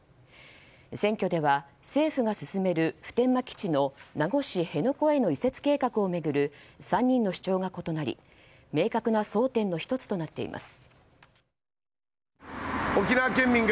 選挙では政府が進める普天間基地の名護市辺野古への移設計画を巡る３人の主張が異なり明確な争点の１つとなっています。